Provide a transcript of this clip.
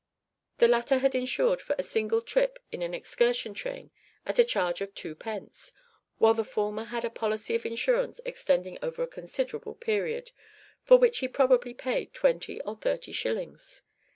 The latter had insured for a single trip in an excursion train at a charge of two pence, while the former had a policy of insurance extending over a considerable period, for which he probably paid twenty or thirty shillings.